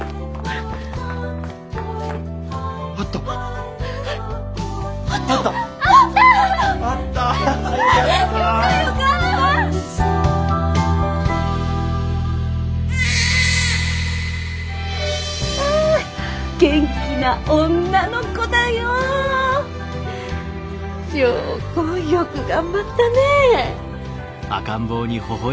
良子よく頑張ったね。